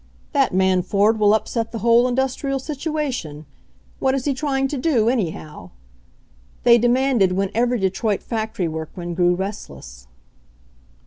"That man Ford will upset the whole industrial situation. What is he trying to do, anyhow?" they demanded when every Detroit factory work man grew restless.